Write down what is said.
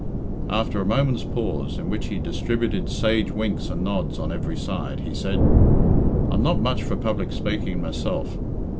After a moment's pause, in which he distributed sage winks and nods on every side, he said: "I'm not much for public spaking myself.